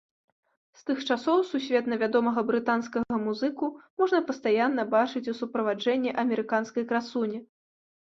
З тых часоў сусветна вядомага брытанскага музыку можна пастаянна бачыць у суправаджэнні амерыканскай красуні.